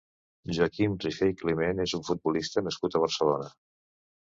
Joaquim Rifé i Climent és un futbolista nascut a Barcelona.